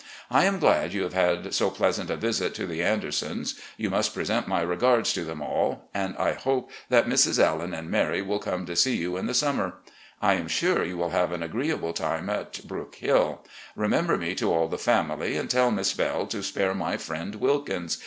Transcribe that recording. I am glad you have had so pleasant a visit to the Andersons. You must present my regards to them all, and I hope that Misses Ellen and Mary will come to see you in the stunmer. I am sure you will have an agreeable time at Brook Hill. Remember me to all the family, and tell Miss Belle to spare my friend Wilkins.